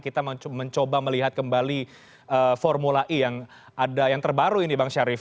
kita mencoba melihat kembali formula e yang ada yang terbaru ini bang syarif